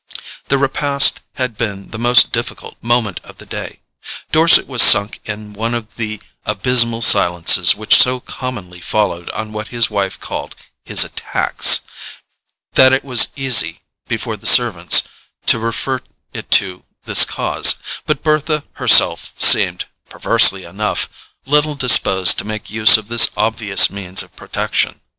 The repast had been the most difficult moment of the day. Dorset was sunk in one of the abysmal silences which so commonly followed on what his wife called his "attacks" that it was easy, before the servants, to refer it to this cause; but Bertha herself seemed, perversely enough, little disposed to make use of this obvious means of protection.